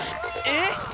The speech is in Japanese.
えっ！